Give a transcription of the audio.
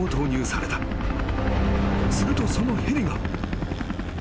［するとそのヘリが］